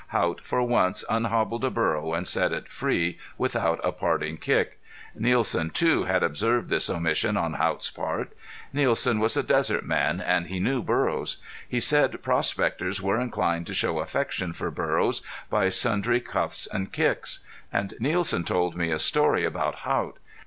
Haught for once unhobbled a burro and set it free without a parting kick. Nielsen too had observed this omission on Haught's part. Nielsen was a desert man and he knew burros. He said prospectors were inclined to show affection for burros by sundry cuffs and kicks. And Nielsen told me a story about Haught.